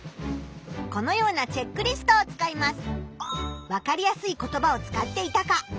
このようなチェックリストを使います。